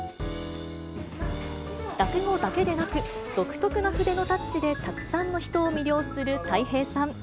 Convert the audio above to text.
落語だけでなく、独特な筆のタッチで、たくさんの人を魅了するたい平さん。